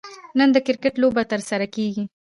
نن د کرکټ لوبه ترسره کیږي